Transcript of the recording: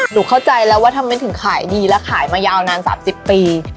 หนูเข้าใจแล้วว่าทำไมถึงขายดีแล้วขายมายาวนานสำหรับสิบปี